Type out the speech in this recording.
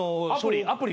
アプリ？